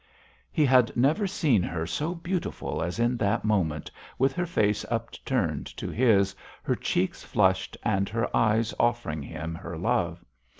He had never seen her so beautiful as in that moment, with her face upturned to his, her cheeks flushed, and her eyes offering him her love.